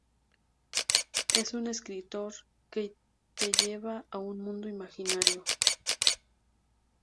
Es un escritor que te lleva a un mundo imaginario